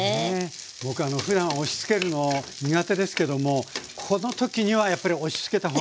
僕ふだん押しつけるの苦手ですけどもこの時にはやっぱり押しつけたほうがいいですかね？